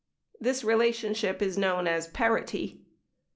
This relationship is known as "parity."